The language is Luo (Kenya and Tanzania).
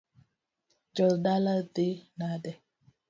Jodala dhi nade?